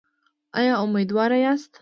ایا امیدواره یاست؟